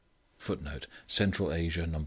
[Footnote: Central Asia, No.